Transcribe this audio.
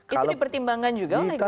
itu dipertimbangkan juga oleh kita